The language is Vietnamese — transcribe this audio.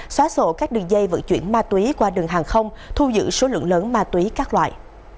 xóa sổ các đường dây vận chuyển ma túy qua đường hàng không thu giữ số lượng lớn ma túy các loại